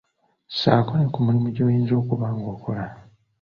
Ssaako ne ku mulimu gy'oyinza okuba ng'okola.